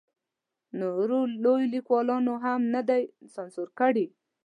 نو نور لوی لیکوالان یې هم نه دي سانسور کړي.